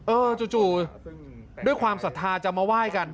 จู่ด้วยความศรัทธาจะมาไหว้กัน